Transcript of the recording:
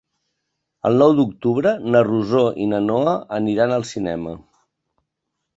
El nou d'octubre na Rosó i na Noa aniran al cinema.